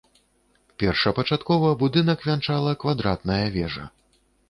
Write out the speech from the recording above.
Першапачаткова будынак вянчала квадратная вежа.